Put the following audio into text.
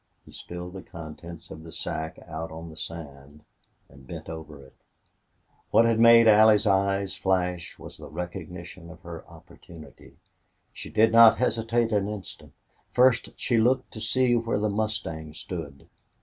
He spilled the contents of the sack out on the sand, and bent over it. What had made Allie's eyes flash was the recognition of her opportunity. She did not hesitate an instant. First she looked to see just where the mustang stood.